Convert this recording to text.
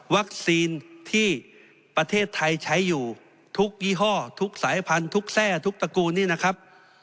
ที่ประเทศไทยใช้อยู่ทุกยี่ห้อทุกสายพันธุ์แทร่ทุกตระกูลนี้นะครับ